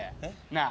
なあ。